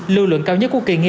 lưu lượng cao nhất của kỳ nghiệm